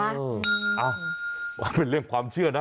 เออว่าเป็นเรื่องความเชื่อนะ